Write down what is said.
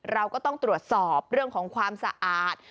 เราก็ต้องตรวจสอบเรื่องของความสะอาด